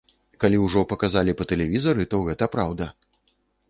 Калі ўжо паказалі па тэлевізары, то гэта праўда!